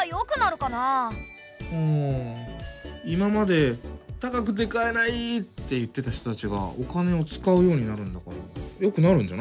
ん今まで「高くて買えない！」って言ってた人たちがお金を使うようになるんだからよくなるんじゃない？